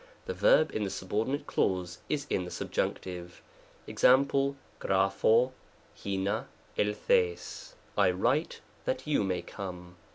the verb in the subordi nate, clause is in the Subjunctive. Ex.^ yqacpco i'va sX&fjgy " I write that you may come."